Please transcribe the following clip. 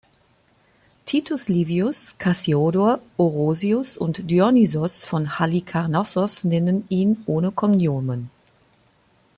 Titus Livius, Cassiodor, Orosius und Dionysios von Halikarnassos nennen ihn ohne Cognomen.